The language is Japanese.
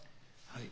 はい。